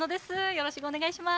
よろしぐお願いします。